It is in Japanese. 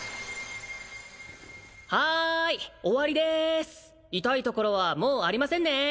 はーい終わりでーす痛いところはもうありませんねー？